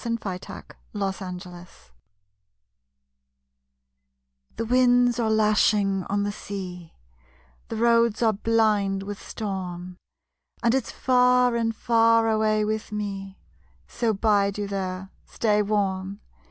_ THE GOLDEN SHOES The winds are lashing on the sea; The roads are blind with storm. And it's far and far away with me; So bide you there, stay warm.